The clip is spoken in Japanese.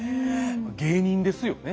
芸人ですよね。